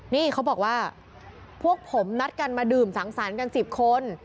นี่เขาบอกว่าพวกผมนัดกันมาดื่มสังสรรค์กัน๑๐คน